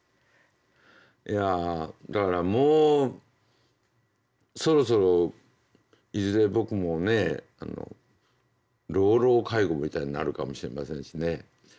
いやだからもうそろそろいずれ僕もね老老介護みたいになるかもしれませんしね。